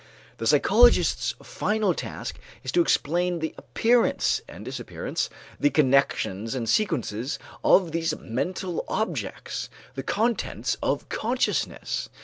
The psychologist's final task is to explain the appearance and disappearance, the connections and sequences of these mental objects, the contents of consciousness.